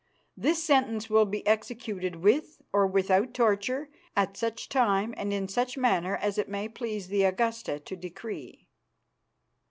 This sentence will be executed with or without torture at such time and in such manner as it may please the Augusta to decree."